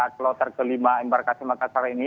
kloter kelima embarkasi makassar ini